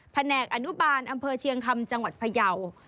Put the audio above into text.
แหนกอนุบาลอำเภอเชียงคำจังหวัดพยาว